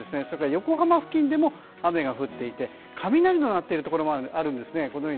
横浜付近でも雨が降っていて雷が鳴っているところがあるんですね。